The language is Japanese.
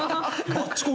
バチコン。